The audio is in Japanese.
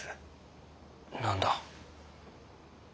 何だ？